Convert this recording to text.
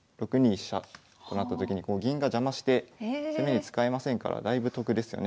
飛車となったときに銀が邪魔して攻めに使えませんからだいぶ得ですよね